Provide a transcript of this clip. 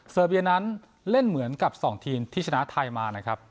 เบียนั้นเล่นเหมือนกับ๒ทีมที่ชนะไทยมานะครับ